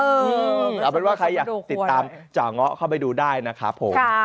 เอาเป็นว่าใครอยากติดตามจ่อเงาะเข้าไปดูได้นะครับผม